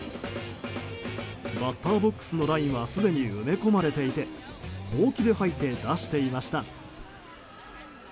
バッターボックスのラインはすでに埋め込まれていてほうきで掃いて出していました。